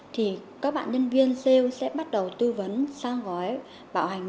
thì các bạn nhân viên sale sẽ bắt đầu tư vấn sang gói bảo hành một mươi năm